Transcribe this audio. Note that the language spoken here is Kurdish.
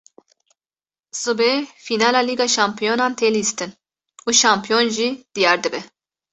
Sibê fînala Lîga Şampiyonan tê lîstin û şampiyon jî diyar dibe